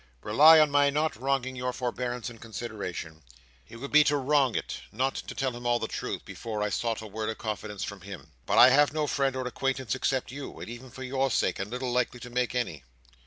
Rely on my not wronging your forbearance and consideration. It would be to wrong it, not to tell him all the truth, before I sought a word of confidence from him. But I have no friend or acquaintance except you: and even for your sake, am little likely to make any."